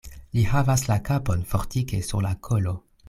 Li havas la kapon fortike sur la kolo.